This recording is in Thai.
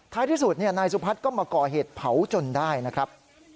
ที่สุดนายสุพัฒน์ก็มาก่อเหตุเผาจนได้นะครับ